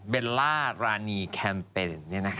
เบลล่ารานีแคมเปญ